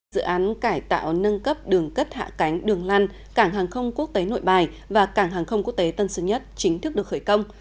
dự án cải tạo nâng cấp đường cất hạ cánh đường lăn cảng hàng không quốc tế nội bài và cảng hàng không quốc tế tân sơn nhất chính thức được khởi công